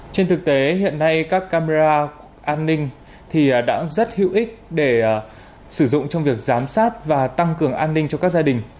trên thực tế hiện nay các camera an ninh đã rất hữu ích để sử dụng trong việc giám sát và tăng cường an ninh cho các gia đình